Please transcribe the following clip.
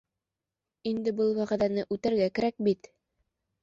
Инде был вәғәҙәне үтәргә кәрәк бит...